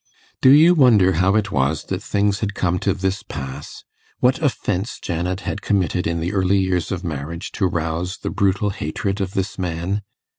Do you wonder how it was that things had come to this pass what offence Janet had committed in the early years of marriage to rouse the brutal hatred of this man?